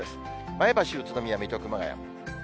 前橋、宇都宮、水戸、熊谷。